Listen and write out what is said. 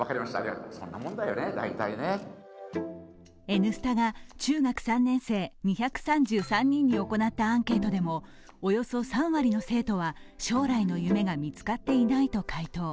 「Ｎスタ」が中学３年生２３３人に行ったアンケートでもおよそ３割の生徒は将来の夢が見つかっていないと回答。